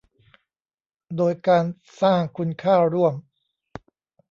โดยการสร้างคุณค่าร่วม